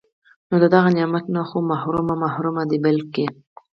نو د دغه نعمت نه خو محروم محروم دی بلکي